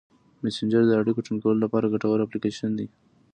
مسېنجر د اړیکو ټینګولو لپاره ګټور اپلیکیشن دی.